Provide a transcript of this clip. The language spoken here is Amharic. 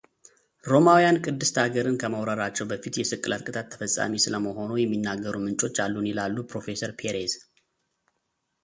ሮማውያን ቅድስት አገርን ከመውረራቸው በፊት የስቅላት ቅጣት ተፈጻሚ ስለመሆኑ የሚናገሩ ምንጮች አሉን ይላሉ ፕሮፌሰር ፔሬዝ።